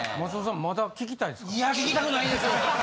松本さんまだ聞きたいですか？